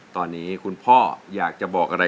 ตอนนี้คุณพ่ออยากจะบอกอะไร